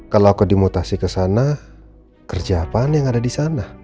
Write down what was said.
kalau aku dimutasi ke sana kerja apa aneh yang ada di sana